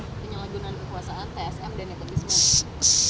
penyelagunan kekuasaan tsm dan nepotisme